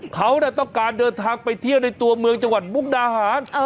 เขาต้องการเดินทางไปเที่ยวในตัวเมืองจังหวัดมุกดาหาร